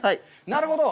なるほど。